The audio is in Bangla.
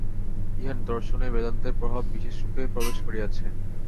ইঁহার দর্শনে বেদান্তের প্রভাব বিশেষরূপে প্রবেশ করিয়াছে।